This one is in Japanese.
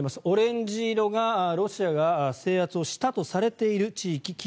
オレンジ色がロシアが制圧をしたとされている地域。